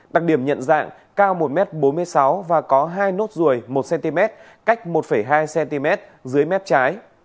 đặc điểm nhận dạng cao một m bốn mươi sáu và có hai nốt ruồi một cm cách một hai cm dưới mép trái